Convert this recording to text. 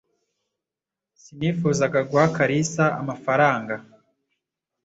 Sinifuzaga guha Kalisa amafaranga.